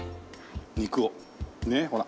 肉をねえほら。